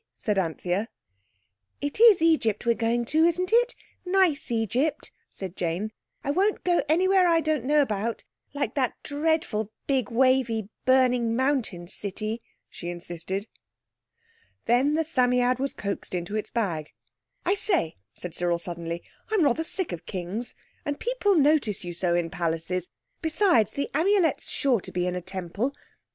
said Anthea. "It is Egypt we're going to, isn't it?—nice Egypt?" said Jane. "I won't go anywhere I don't know about—like that dreadful big wavy burning mountain city," she insisted. Then the Psammead was coaxed into its bag. "I say," said Cyril suddenly, "I'm rather sick of kings. And people notice you so in palaces. Besides the Amulet's sure to be in a Temple.